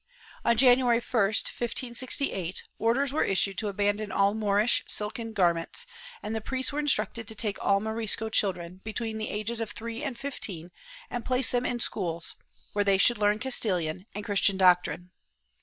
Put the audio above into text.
^ On January 1, 1568, orders were issued to abandon all Moorish silken garments, and the priests were instructed to take all Morisco children, between the ages of three and fifteen, and place them in schools, where they should learn Castilian and Christian doctrine.